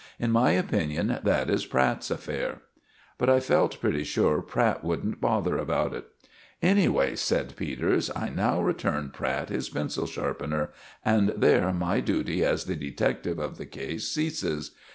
In my opinion that is Pratt's affair." But I felt pretty sure Pratt wouldn't bother about it. "Anyway," said Peters, "I now return Pratt his pencil sharpener, and there my duty as the detective of the case ceases.